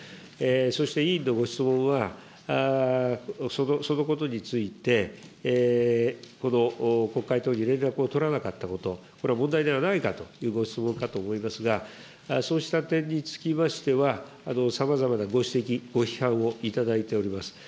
そして委員のご質問は、そのことについて、この国会等に連絡を取らなかったこと、これは問題ではないかというご質問かと思いますが、そうした点につきましては、さまざまなご指摘、ご批判を頂いております。